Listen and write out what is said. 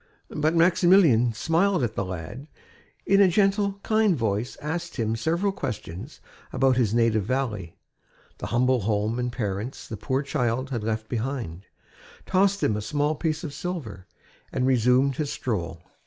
But Maximilien smiled at the lad, in a gentle, kind voice asked him several questions about his native valley, the humble home and parents the poor child had left behind, tossed him a small piece of silver and resumed his stroll.